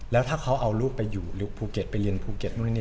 แล้วถ้าเขาเอาลูกไปอยู่ภูเก็ตไปเรียนภูเก็ตนู่นนี่